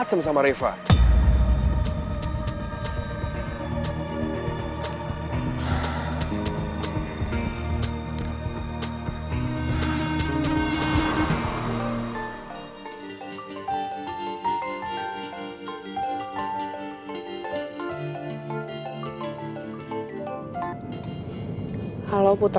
aku mau mencoba